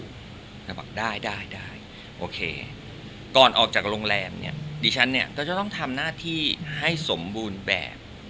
แต่บอกได้ได้โอเคก่อนออกจากโรงแรมเนี่ยดิฉันเนี่ยก็จะต้องทำหน้าที่ให้สมบูรณ์แบบ